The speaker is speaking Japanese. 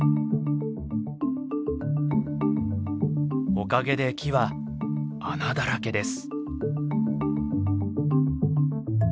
おかげで木は穴だらけです。